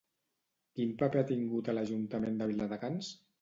Quin paper ha tingut a l'Ajuntament de Viladecans?